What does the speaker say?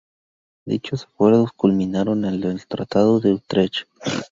Dichos acuerdos culminaron en el Tratado de Utrecht.